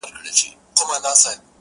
ستا دی که قند دی.